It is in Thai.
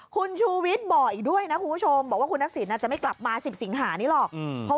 คุณชูวิทย์บ่อยด้วยนะคุณผู้ชมบอกว่าคุณนักศิลป์น่ะจะไม่กลับมาสิบสิงหานี่หรอก